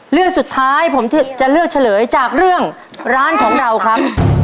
เรื่องสุดท้ายผมจะเลือกเฉลยจากเรื่องร้านของเราครับ